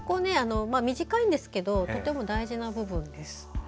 短いんですがとても大事な部分です。